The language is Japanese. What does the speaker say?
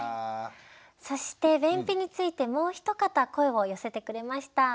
そして便秘についてもう一方声を寄せてくれました。